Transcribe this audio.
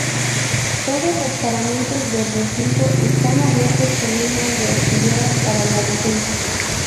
Todos los paramentos del recinto están abiertos con líneas de aspilleras para la defensa.